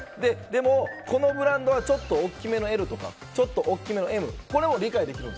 でも、このブランドはちょっと大きめのＬとかちょっと大きめのＭはこれは理解できる。